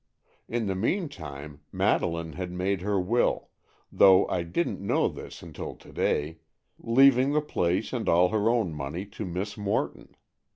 In the meantime Madeleine had made her will, though I didn't know this until to day, leaving the place and all her own money to Miss Morton.